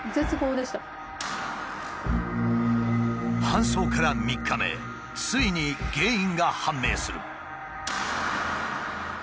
搬送から３日目ついに原因が判明する。